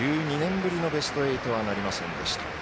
１２年ぶりのベスト８はなりませんでした。